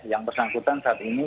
yang bersangkutan saat ini